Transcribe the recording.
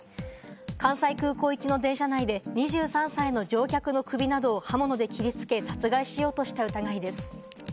関西空港行きの電車内で２３歳の乗客の首などを刃物で切りつけ殺害しようとした疑いです。